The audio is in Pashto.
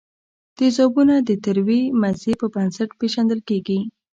تیزابونه د تروې مزې په بنسټ پیژندل کیږي.